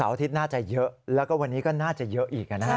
อาทิตย์น่าจะเยอะแล้วก็วันนี้ก็น่าจะเยอะอีกนะฮะ